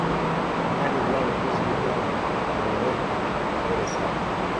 Maadili ya uongozi ni jambo aliloliweka mbele sana